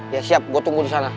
ya siap gue tunggu disana